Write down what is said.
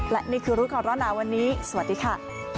และนี่คือรุ่นกรณาวันนี้สวัสดีค่ะ